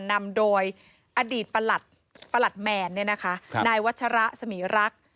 นำโดยอดีตประหลัดแมนนายวัชระสมีรักษ์